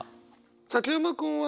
崎山君は？